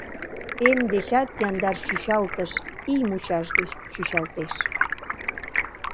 Эм дечат яндар чӱчалтыш Ий мучаш гыч чӱчалтеш.